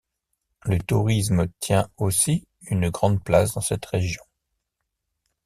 Le tourisme tientaussi une grande place dans cette région.